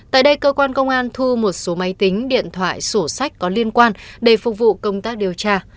tại đây cơ quan công an thu một số máy tính điện thoại sổ sách có liên quan để phục vụ công tác điều tra